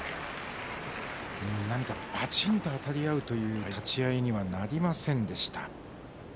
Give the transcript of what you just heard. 何か、ばちんとあたり合うような立ち合いにはなりませんでした。